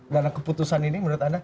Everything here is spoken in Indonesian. dana keputusan ini menurut anda